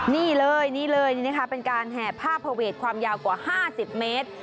นี่เลยนี่นะคะเป็นการแห่ภาพเผวร์ความยาวกว่า๕๐เมตร